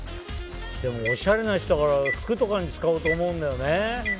おしゃれな人だから服とかに使うと思うんだよね。